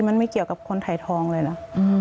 มันไม่เกี่ยวกับคนถ่ายทองเลยนะ